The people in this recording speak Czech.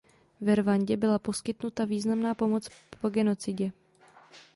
Ve Rwandě byla poskytnuta významná pomoc po genocidě.